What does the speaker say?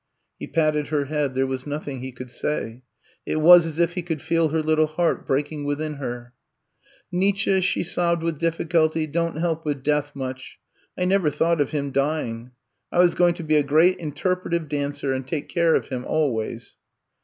He patted her head; there was nothing he could say. It was as if he could feel her little heart breaking within her. Nietzsche,'* she sobbed with difficulty^ don't help with death much — ^I never thought of him dying — I was going to be a great interpretive dancer — and take care of him — ^always."